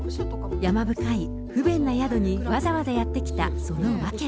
山深い不便な宿にわざわざやって来た、その訳は。